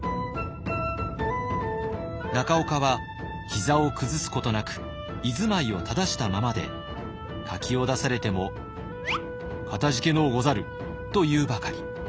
中岡は膝を崩すことなく居ずまいを正したままで柿を出されても「かたじけのうござる」と言うばかり。